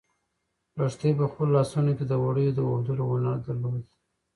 لښتې په خپلو لاسو کې د وړیو د اوبدلو هنر درلود.